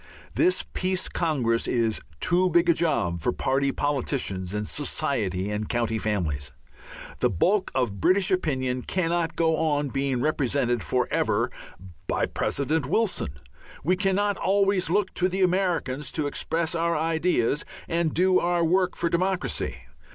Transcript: This Peace Congress is too big a job for party politicians and society and county families. The bulk of British opinion cannot go on being represented for ever by President Wilson. We cannot always look to the Americans to express our ideas and do our work for democracy.